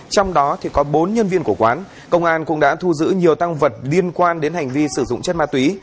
trong đó có bốn nhân viên của quán công an cũng đã thu giữ nhiều tăng vật liên quan đến hành vi sử dụng chất ma túy